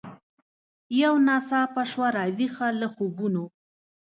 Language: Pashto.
یو ناڅاپه سوه را ویښه له خوبونو